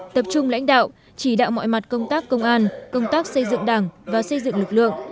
tập trung lãnh đạo chỉ đạo mọi mặt công tác công an công tác xây dựng đảng và xây dựng lực lượng